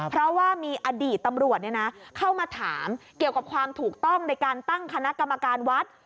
เพราะว่ามีอดีตตำรวจเข้ามาถามเกี่ยวกับความถูกต้องในการตั้งคณะกรรมการวัด